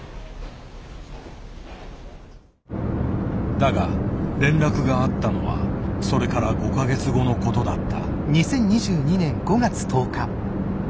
だが連絡があったのはそれから５か月後のことだった。